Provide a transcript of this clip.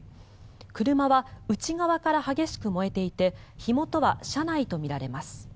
車は内側から激しく燃えていて火元は車内とみられます。